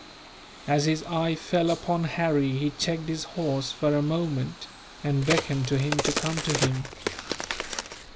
As his eye fell upon Harry he checked his horse for a moment, and beckoned to him to come to him.